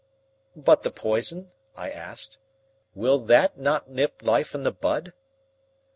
"But the poison?" I asked. "Will that not nip life in the bud?"